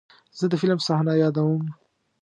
زه د فلم صحنه یادوم.